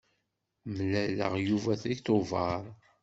Mlaleɣ Yuba deg tubeṛ.